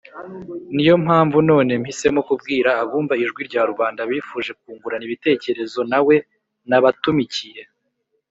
Niyo mpamvu none mpisemo kubwira abumva Ijwi Rya Rubanda bifuje kwungurana ibitekerezo nawe nabatumikiye